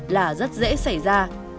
là rất dễ xảy ra